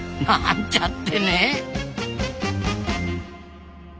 なんちゃってね。